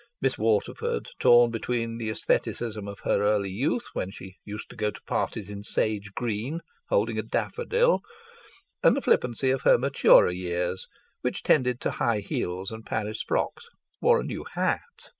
Miss Waterford, torn between the aestheticism of her early youth, when she used to go to parties in sage green, holding a daffodil, and the flippancy of her maturer years, which tended to high heels and Paris frocks, wore a new hat.